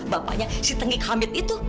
bapaknya si tengik hamid itu